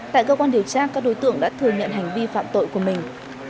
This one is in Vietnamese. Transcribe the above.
tại cơ quan điều tra các đối tượng đã thừa nhận hành vi phạm tội của mình